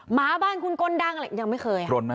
หมาบ้านคุณกลดังอะไรยังไม่เคย